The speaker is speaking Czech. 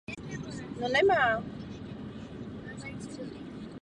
Ste druhý den ráno uteče z pokoje do svého bytu.